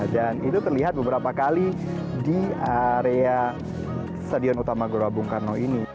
dan itu terlihat beberapa kali di area stadion utama gorabungkarno ini